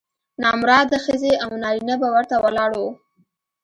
نامراده ښځې او نارینه به ورته ولاړ وو.